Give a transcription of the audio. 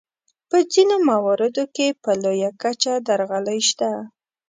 په ځینو مواردو کې په لویه کچه درغلۍ شته.